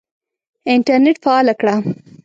انټرنېټ فعاله کړه !